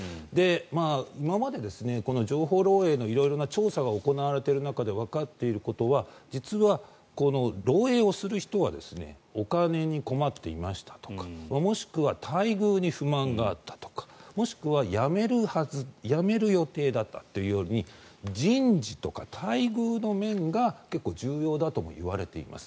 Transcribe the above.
今まで情報漏えいの色んな調査が行われている中でわかっていることは実は、漏えいをする人はお金に困っていましたとかもしくは待遇に不満があったとかもしくは辞める予定だったというように人事とか待遇の面が結構重要だともいわれています。